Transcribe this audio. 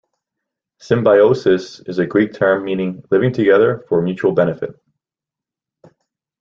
Symbiosis is a Greek term meaning 'Living together for mutual benefit'.